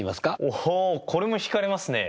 おおこれもひかれますね。